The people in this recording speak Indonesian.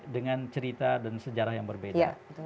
dengan cerita dan sejarah yang berbeda